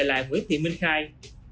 để về lại nguyễn thị minh khai